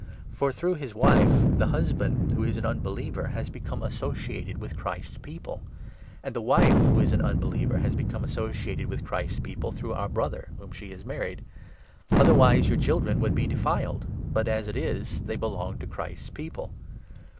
For, through his wife, the i^ husband who is an unbeliever has become associated with Christ's People ; and the wife who is an unbeliever has become assooiated with Christ's People through our Brother whom she has married. Otherwise your children would be 'defiled,' but, as it is, they belong to Christ's People.